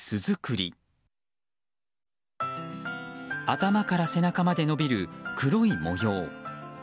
頭から背中まで伸びる黒い模様。